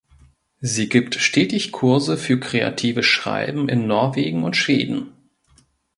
Sie gibt stetig Kurse für Kreatives Schreiben in Norwegen und Schweden.